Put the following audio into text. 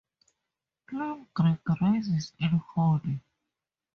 Plum Creek rises in Holly.